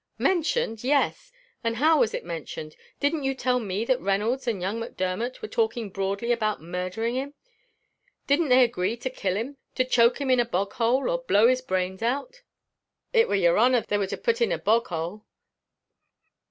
"Mentioned! yes, and how was it mentioned? Didn't you tell me that Reynolds and young Macdermot were talking broadly about murdhering him? Didn't they agree to kill him to choke him in a bog hole or blow his brains out?" "It war your honour they war to put in a bog hole."